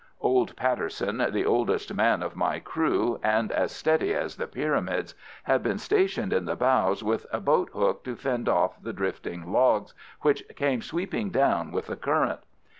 Old Patterson, the oldest man of my crew, and as steady as the Pyramids, had been stationed in the bows with a boat hook to fend off the drifting logs which came sweeping down with the current.